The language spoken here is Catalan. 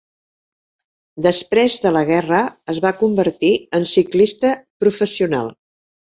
Després de la guerra es va convertir en ciclista professional.